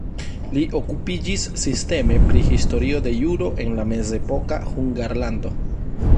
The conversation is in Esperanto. Li okupiĝis sisteme pri historio de juro en la mezepoka Hungarlando.